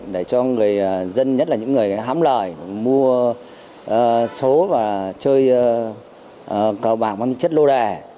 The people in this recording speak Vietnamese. để cho dân nhất là những người hãm lời mua số và chơi cầu bạc với những chất lô đè